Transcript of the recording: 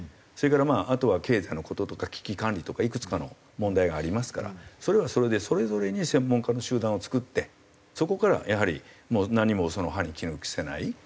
それからあとは経済の事とか危機管理とかいくつかの問題がありますからそれはそれでそれぞれに専門家の集団を作ってそこからやはり何も歯に衣着せない。